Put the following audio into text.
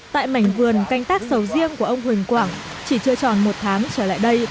tại mảnh vườn canh tác sầu riêng của ông huỳnh quảng chỉ chưa tròn một tháng trở lại đây